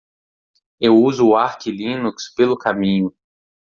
Eu uso o Arch Linux pelo caminho.